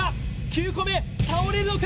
９個目倒れるのか！？